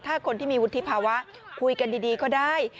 ถ้าคนที่มีวุฒิภาวะคุยกันดีก็ได้